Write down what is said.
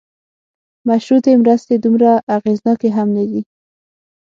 مشروطې مرستې دومره اغېزناکې هم نه دي.